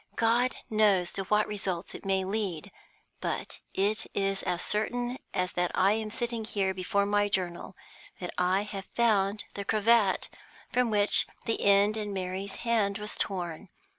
God knows to what results it may lead; but it is as certain as that I am sitting here before my journal that I have found the cravat from which the end in Mary's hand was torn.